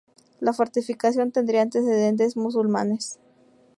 La fortificación tendría antecedentes musulmanes.